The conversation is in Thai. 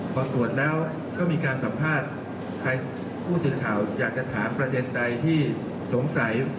พอตรวจแล้วก็มีการสัมภาษณ์ใครผู้สื่อข่าวอยากจะถามประเด็นใดที่สงสัย